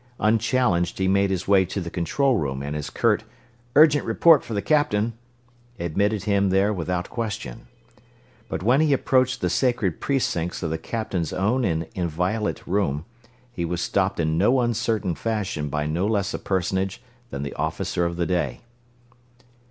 Unchallenged he made his way to the control room, and his curt "urgent report for the Captain" admitted him there without question. But when he approached the sacred precincts of the Captain's own and inviolate room, he was stopped in no uncertain fashion by no less a personage than the Officer of the Day.